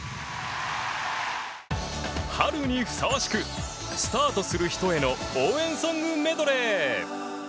春にふさわしくスタートする人への応援ソングメドレー。